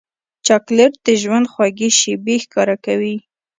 چاکلېټ د ژوند خوږې شېبې ښکاره کوي.